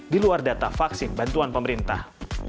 di luar data vaksin bantuan pemerintah